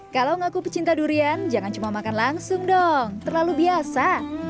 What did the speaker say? kalau ngaku pecinta durian jangan cuma makan langsung dong terlalu biasa